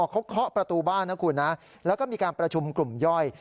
เขาเคาะประตูบ้านนะคุณนะแล้วก็มีการประชุมกลุ่มย่อย